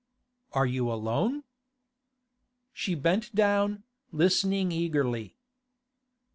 'Are you alone?' She bent down, listening eagerly.